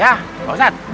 ya bapak ustadz